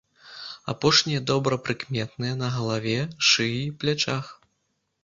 Апошнія добра прыкметныя на галаве, шыі, плячах.